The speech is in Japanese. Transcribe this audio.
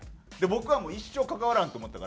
僕はもう一生関わらんと思ったから